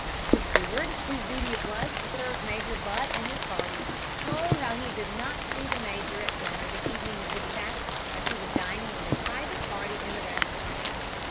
The steward, whose duty it was to serve Major Butt and his party, told how he did not see the Major at dinner the evening of the disaster as he was dining with a private party in the restaurant.